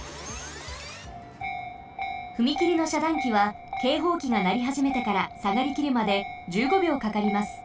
ふみきりのしゃだんきはけいほうきがなりはじめてからさがりきるまで１５秒かかります。